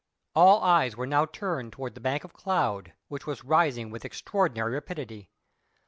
All eyes were now turned towards the bank of cloud, which was rising with extraordinary rapidity.